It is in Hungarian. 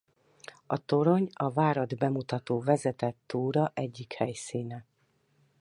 A torony a várat bemutató vezetett túra egyik helyszíne.